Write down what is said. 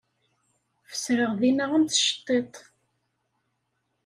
Fesreɣ dinna am tceṭṭiḍt.